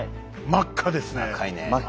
真っ赤ですね。